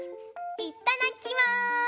いただきます！